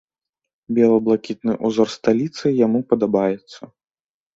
Бела-блакітны ўзор сталіцы яму падабаецца.